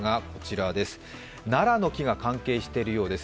ナラの木が関係しているようです。